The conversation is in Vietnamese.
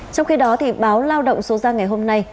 trong khi đó báo lao động số ra ngày hôm nay